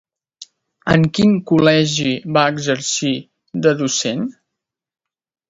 En quin col·legi va exercir de docent?